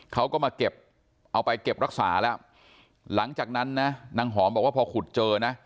เขาก็มาเก็บเอาไปเก็บรักษาแล้วหลังจากนั้นนะนางหอมบอกว่าพอขุดเจอนะ